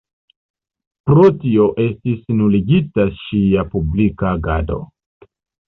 Pro tio estis nuligita ŝia publika agado.